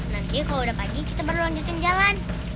nanti kalau udah pagi kita baru lanjutin jalan